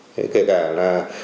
thế kể cả là